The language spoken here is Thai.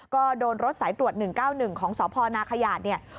ก็โดนรถสายตรวจ๑๙๑ของสพนาขยาดเนี่ย